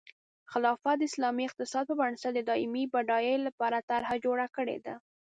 خلافت د اسلامي اقتصاد په بنسټ د دایمي بډایۍ لپاره طرحه جوړه کړې ده.